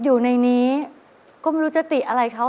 อยู่ในนี้ก็ไม่รู้จะติอะไรเขา